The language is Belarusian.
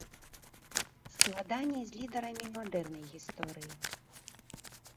Складаней з лідарамі мадэрнай гісторыі.